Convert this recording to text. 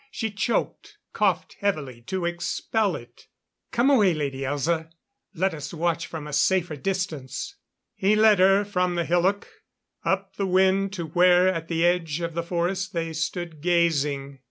She choked, coughed heavily to expel it. "Come away, Lady Elza. Let us watch from a safer distance." He led her from the hillock, up the wind to where at the edge of the forest they stood gazing.